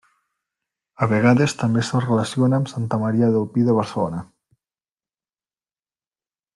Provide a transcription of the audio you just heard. A vegades també se'l relaciona amb Santa Maria del Pi de Barcelona.